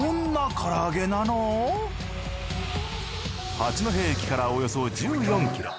八戸駅からおよそ１４キロ。